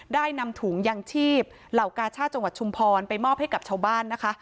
ได้นำถุงยังชีพเหล่ากาชาติจังหวัดชุมพรไปมอบให้กับชาวบ้านนะคะ